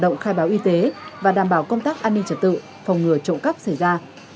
trong các hoạt động khai báo y tế và đảm bảo công tác an ninh trở tự phòng ngừa trộn cắp xảy ra